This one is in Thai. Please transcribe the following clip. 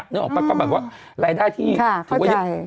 นึกออกปะก็บอกว่ารายได้ที่ถูกไว้ยิ่ง